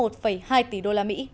một hai tỷ usd